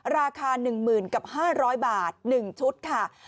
ราคา๑๐๕๐๐บาท๑ชุดค่ะ